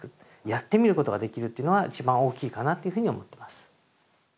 やってみることができるというのは一番大きいかなっていうふうに思ってます。